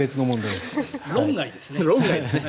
論外ですね。